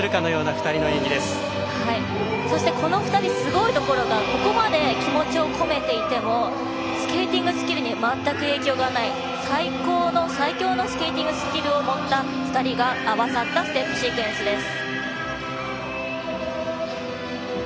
そしてこの２人すごいところはここまで気持ちを込めていてもスケーティングスキルに全く影響がない最強のスケーティングスキルを持った２人が合わさったステップシークエンスです。